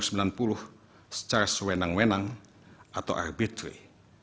secara sewenang wenang atau rbt